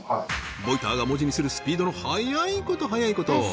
ＶＯＩＴＥＲが文字にするスピードの速いこと速いこと！